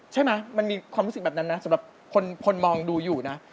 ใช่ไหมมันมีความรู้สึกแบบนั้นนะสำหรับคนมองดูอยู่นะ